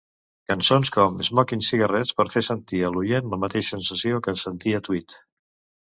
Cançons com "Smoking Cigarettes" per fer sentir a l'oient la mateixa sensació que sentia Tweet.